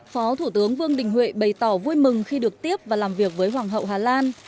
phó thủ tướng vương đình huệ bày tỏ vui mừng khi được tiếp và làm việc với hoàng hậu hà lan